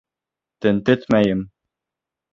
Тентетмәйем!